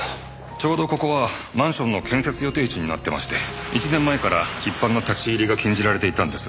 ちょうどここはマンションの建設予定地になってまして１年前から一般の立ち入りが禁じられていたんです。